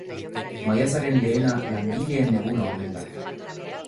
Maiatzaren lehena langileen eguna omen da.